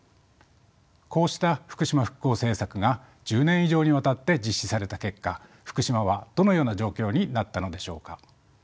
こうした福島復興政策が１０年以上にわたって実施された結果福島はどのような状況になったのでしょうか？